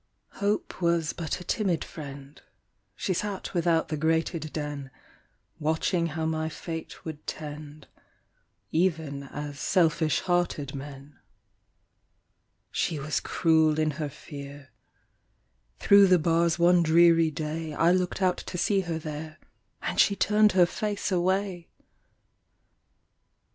Hope Was but a timid friend; She sat without the grated den, Watching how my fate would tend, Even as selfish hearted men. She was cruel in her fear; Through the bars one dreary day, I looked out to see her there, And she turned her face away!